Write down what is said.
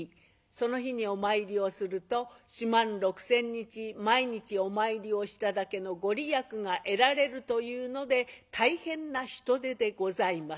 その日にお参りをすると四万六千日毎日お参りをしただけの御利益が得られるというので大変な人出でございます。